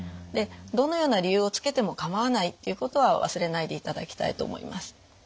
でどのような理由をつけても構わないっていうことは忘れないでいただきたいと思います。